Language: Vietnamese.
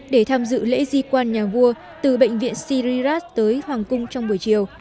để tham dự lễ di quan nhà vua từ bệnh viện sirirat tới hoàng cung trong buổi chiều